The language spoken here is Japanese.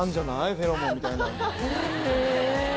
「フェロモンみたいな」